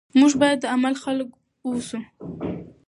موږ باید د عمل خلک اوسو.